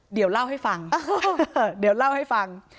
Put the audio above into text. เดี๋ยวเล่าให้ฟัง